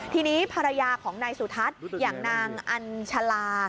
ทีนี้ภรรยาของนายสุทัศน์อย่างนางอัญชาลา